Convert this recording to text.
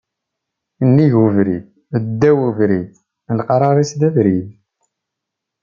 Nnig ubrid, ddaw ubrid, leqrar-is d abrid